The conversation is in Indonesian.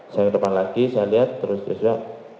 saya ke depan lagi saya lihat terus joshua